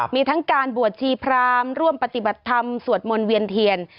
มีทั้งการบวชชีพรามร่วมปฏิบัติธรรมสวดมนต์เวียนเทียน